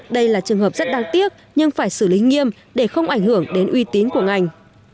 đây là trường hợp rất đáng tiếc nhưng phải xử lý nghiêm để không ảnh hưởng đến uy tín của ngành